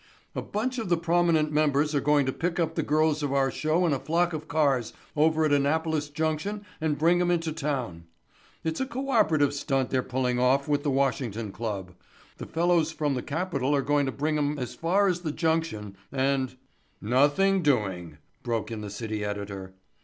A bunch of the prominent members are going to pick up the girls of our show in a flock of cars over at Annapolis Junction and bring 'em into town. It's a cooperative stunt they're pulling off with the Washington club. The fellows from the capital are going to bring 'em as far as the Junction and——" "Nothing doing," broke in the city editor.